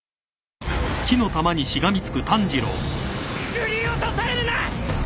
振り落とされるな！